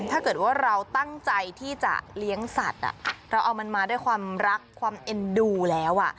ถ้าเกิดว่าเราตั้งใจที่จะเลี้ยงสัตว์เราเอามันมาด้วยความรักความเอ็นดูแล้ว